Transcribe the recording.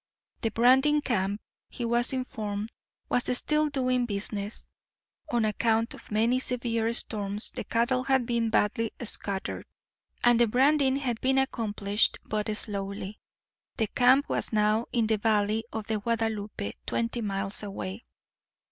The branding camp, he was informed, was still doing business. On account of many severe storms the cattle had been badly scattered, and the branding had been accomplished but slowly. The camp was now in the valley of the Guadalupe, twenty miles away.